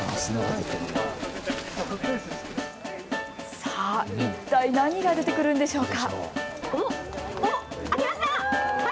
さあ、一体、何が出てくるんでしょうか。